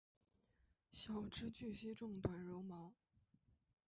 小枝具星状短柔毛。